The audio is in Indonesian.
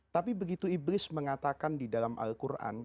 tapi begitu iblis mengatakan di dalam al quran